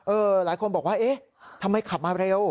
หลายคนบอกว่าเอ๊ะทำไมขับมาเร็ว